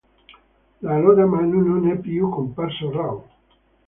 Da allora Manu non è più comparso a Raw.